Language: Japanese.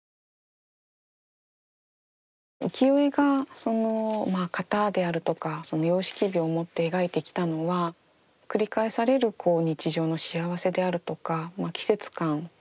浮世絵が型であるとか様式美を持って描いてきたのは繰り返される日常の幸せであるとか季節感といった世界だったと思います。